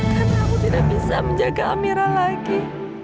karena aku tidak bisa menjaga amirah lagi